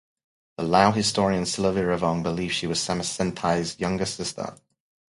The Lao historian Sila Viravong believed she was Samesenthai's younger sister.